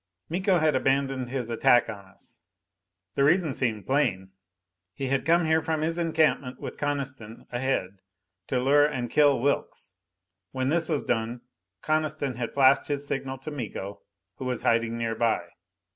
Miko had abandoned his attack on us. The reason seemed plain. He had come here from his encampment with Coniston ahead to lure and kill Wilks. When this was done, Coniston had flashed his signal to Miko, who was hiding nearby.